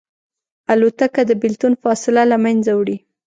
الوتکه د بېلتون فاصله له منځه وړي.